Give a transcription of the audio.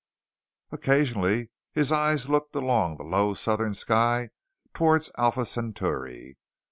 Occasionally his eyes looked along the low southern sky towards Alpha Centauri.